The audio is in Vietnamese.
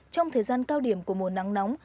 trong thời gian cao điểm của mùa nắng nóng